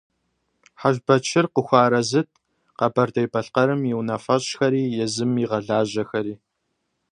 Хьэжбэчыр къыхуэарэзыт Къэбэрдей-Балъкъэрым и унафэщӏхэри езым игъэлажьэхэри.